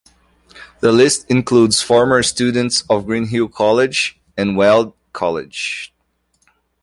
The list includes former students of Greenhill College and Weald College.